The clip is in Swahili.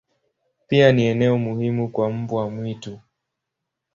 Pia ni eneo muhimu kwa mbwa mwitu.